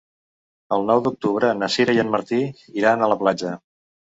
El nou d'octubre na Sira i en Martí iran a la platja.